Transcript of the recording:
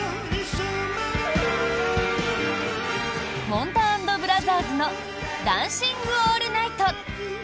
もんた＆ブラザーズの「ダンシング・オールナイト」。